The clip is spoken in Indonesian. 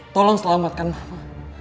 tolong selamatkan mama